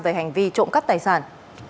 về hành vi trộm cắp tài sản